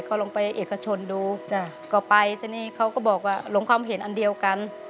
ก็ลงไปเอกชนดูจ้ะก็ไปแต่นี่เขาก็บอกว่าลงความเห็นอันเดียวกัน